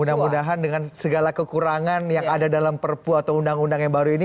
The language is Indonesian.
mudah mudahan dengan segala kekurangan yang ada dalam perpu atau undang undang yang baru ini